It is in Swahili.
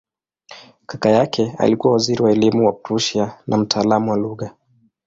Kaka yake alikuwa waziri wa elimu wa Prussia na mtaalamu wa lugha.